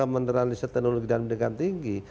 meneralisis teknologi dan pendidikan tinggi